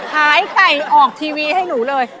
ขายไข่ออกทีวีให้หนูเลย